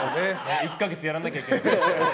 １か月やらなきゃいけない。